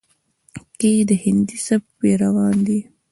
کې د هندي سبک پېروان دي،